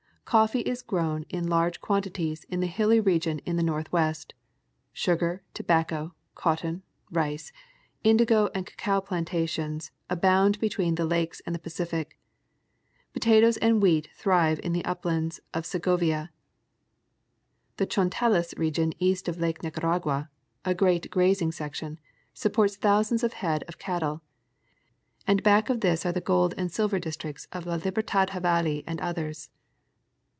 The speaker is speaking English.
Coffee is grown in large quantities in the hilly region in the northwest ; sugar, tobacco,, cotton, rice, indigo and cacao plantations abound between the lakes and the Pacific ; potatoes and wheat thrive in the uplands of Segovia ; the Chontales region east of Lake Nicaragua, a great grazing section, supports thousands of head of cattle ; and back of this are the gold and silver districts of La Libertad,, Javali and others.